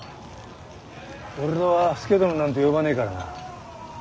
俺は佐殿なんて呼ばねえからな。